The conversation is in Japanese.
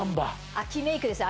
秋メイクですよ